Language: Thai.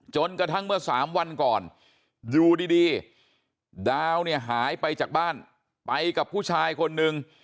จนกระทั่งเมื่อ๓วันก่อนอยู่ดีดาวเนี่ยหายไปจากบ้านไปกับผู้ชายคนนึง